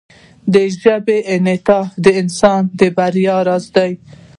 د ژبې انعطاف د انسان د بریا راز و.